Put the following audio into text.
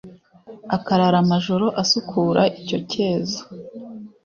akarara amajoro asukura icyocyezo